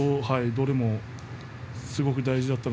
どれもすごく大事でした。